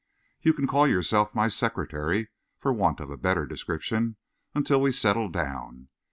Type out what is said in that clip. You can call yourself my secretary, for want of a better description, until we settle down.